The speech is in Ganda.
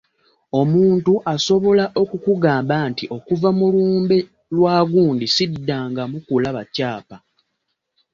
Omuntu asobola okukugamba nti okuva mu lumbe lwa gundi siddangamu kulaba kyapa.